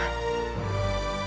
untuk menerima hukuman